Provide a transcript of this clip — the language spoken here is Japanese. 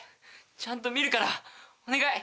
ちゃんと見るからお願い。